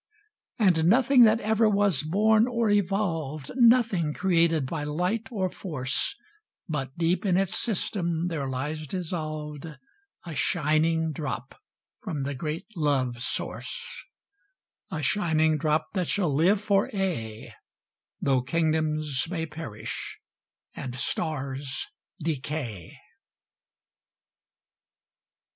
And nothing that ever was born or evolved, Nothing created by light or force, But deep in its system there lies dissolved A shining drop from the Great Love Source; A shining drop that shall live for aye Though kingdoms may perish and stars decay.